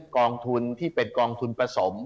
กองทุนที่เป็นกองทุนผสม